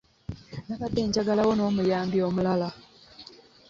Nanadde njagalawo n'omuyambi omulala.